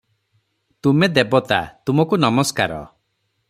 ତୁମେ ଦେବତା, ତୁମକୁ ନମସ୍କାର ।